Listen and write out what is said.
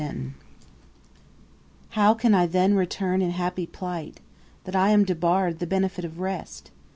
XXVIII How can I then return in happy plight, That am debarre'd the benefit of rest?